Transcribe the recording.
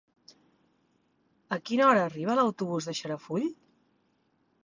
A quina hora arriba l'autobús de Xarafull?